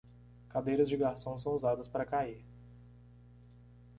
Cadeiras de garçom são usadas para cair